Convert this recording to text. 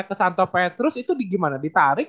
ke santo petrus itu gimana ditarik